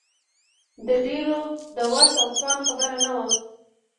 د ډېرو د وس او توان خبره نه وه.